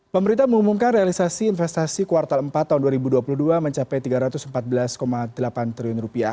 pemerintah mengumumkan realisasi investasi kuartal empat tahun dua ribu dua puluh dua mencapai rp tiga ratus empat belas delapan triliun